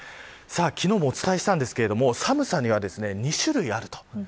昨日もお伝えしましたが寒さには２種類あります。